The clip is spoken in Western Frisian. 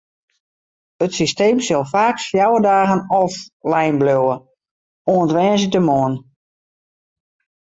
It systeem sil faaks fjouwer dagen offline bliuwe, oant woansdeitemoarn.